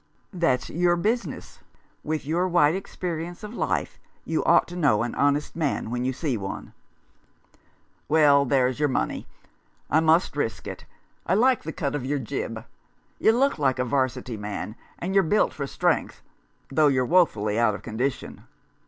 " That's your business. With your wide experi ence of life you ought to know an honest man when you see one." 33 D Rough Justice. "Well, there's your money. I must risk it. I like the cut of your jib. You look like a 'Varsity man, and you're built for strength, though you're wofully out of condition."